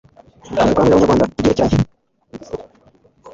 gukangurira abanyarwanda ibyerekeranye